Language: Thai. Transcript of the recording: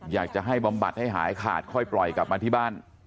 ยอมบัตรให้หายขาดค่อยปล่อยกลับมาที่บ้าน